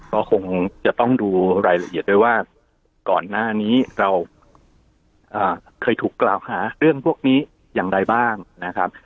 ก็คงจะต้องดูรายละเอียดด้วยว่าก่อนหน้านี้เราเคยถูกกล่าวหาเรื่องพวกนี้อย่างไรบ้างนะครับ